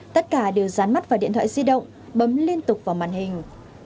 tất cả đều dán mắt vào điện thoại di động bấm liên tục vào màn hình